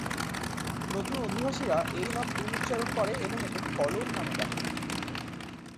নতুন অধিবাসীরা এই নাম ভুল উচ্চারণ করে এবং এটাকে কলোন নামে ডাকে।